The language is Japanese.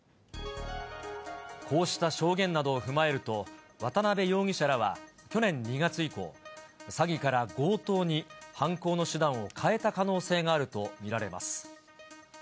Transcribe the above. こうした証言などを踏まえると、渡辺容疑者らは去年２月以降、詐欺から強盗に犯行の手段を変えた可能性があると見られます。